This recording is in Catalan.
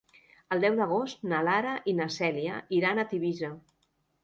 El deu d'agost na Lara i na Cèlia iran a Tivissa.